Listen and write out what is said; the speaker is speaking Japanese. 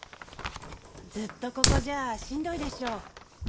ずっとここじゃあしんどいでしょ。